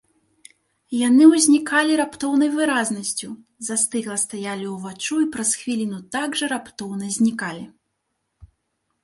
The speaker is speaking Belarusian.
Яны ўзнікалі раптоўнай выразнасцю, застыгла стаялі ўваччу і праз хвіліну так жа раптоўна знікалі.